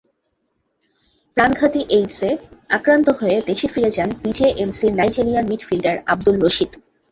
প্রাণঘাতী এইডসে আক্রান্ত হয়ে দেশে ফিরে যান বিজেএমসির নাইজেরিয়ান মিডফিল্ডার আবদুল রশীদ।